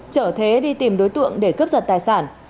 chở thế đi tìm đối tượng để cướp giật tài sản